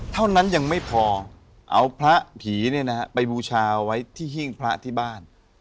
เท่านั้นยังไม่พอเอาพระผีไปบูชาไว้ที่หิ้งพระที่บ้าน